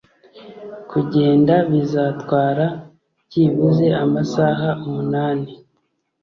Kugenda bizatwara byibuze amasaha umunani.